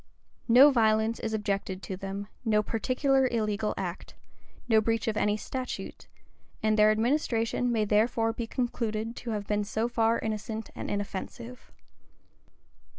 No violence is objected to them; no particular illegal act;[*] no breach of any statute; and their administration may therefore be concluded to have been so far innocent and inoffensive.